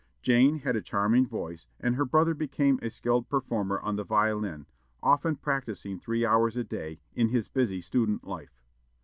Jane had a charming voice, and her brother became a skilled performer on the violin, often practising three hours a day in his busy student life.